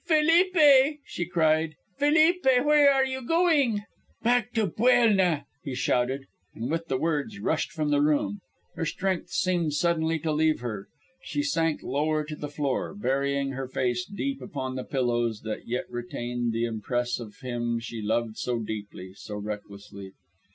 "Felipe," she cried, "Felipe, where are you going?" "Back to Buelna," he shouted, and with the words rushed from the room. Her strength seemed suddenly to leave her. She sank lower to the floor, burying her face deep upon the pillows that yet retained the impress of him she loved so deeply, so recklessly.